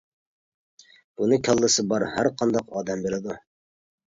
بۇنى كاللىسى بار ھەرقانداق ئادەم بىلىدۇ.